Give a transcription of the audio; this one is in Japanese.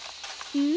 うん？